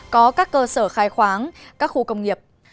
có các cơ sở khai khoáng các khu công nghiệp